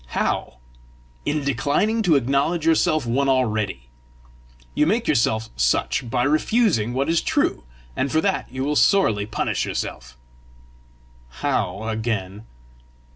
"How?" "In declining to acknowledge yourself one already. You make yourself such by refusing what is true, and for that you will sorely punish yourself." "How, again?"